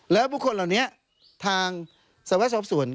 และผู้คนเหล่านี้ทางสวรรค์สอบส่วน